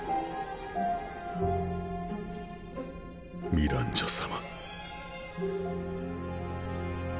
ミランジョ様。